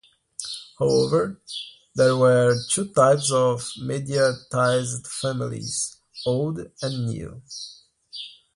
However, there were two types of mediatised families; old and new.